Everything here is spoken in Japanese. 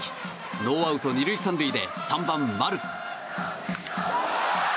ノーアウト２塁３塁で３番、丸。